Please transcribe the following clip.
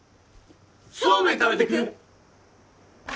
そうめん食べてく？